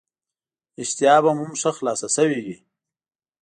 اشتها به مو هم ښه خلاصه شوې وي.